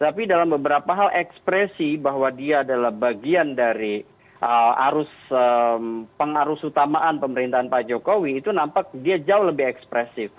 tapi dalam beberapa hal ekspresi bahwa dia adalah bagian dari arus pengarus utamaan pemerintahan pak jokowi itu nampak dia jauh lebih ekspresif